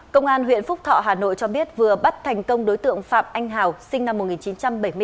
công an huyện phúc thọ hà nội cho biết vừa bắt thành công đối tượng phạm anh hào sinh năm một nghìn chín trăm bảy mươi